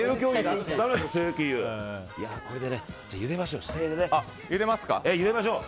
これでゆでましょう。